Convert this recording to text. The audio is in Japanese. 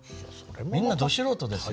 みんなど素人ですよ。